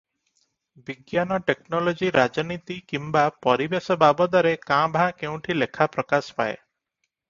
ବିଜ୍ଞାନ-ଟେକନୋଲୋଜି, ରାଜନୀତି କିମ୍ବା ପରିବେଶ ବାବଦରେ କାଁ ଭାଁ କେଉଁଠି ଲେଖା ପ୍ରକାଶ ପାଏ ।